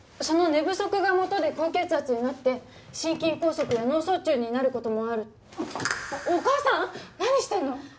その寝不足がもとで高血圧になって心筋梗塞や脳卒中になることもあるお母さん何してんの？